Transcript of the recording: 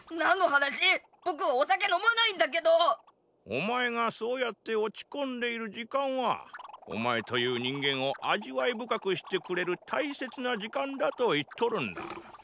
お前がそうやって落ち込ンでいる時間はお前という人間を味わい深くしてくれる大切な時間だと言っとるンだ。